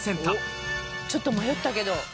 ちょっと迷ったけど。